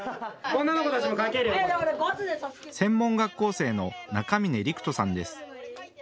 専門学校生の中峰陸歩さんです。